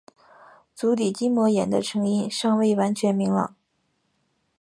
足底筋膜炎的成因尚未完全明朗。